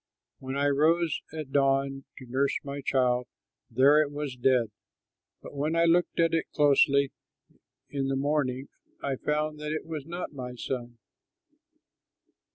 When I rose at dawn to nurse my child, there it was dead; but when I looked at it closely in the morning, I found that it was not my son."